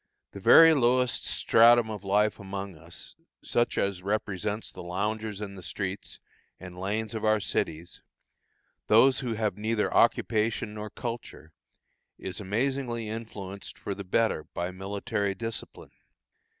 The very lowest stratum of life among us, such as represents the loungers in the streets and lanes of our cities, those who have neither occupation nor culture, is amazingly influenced for the better by military discipline.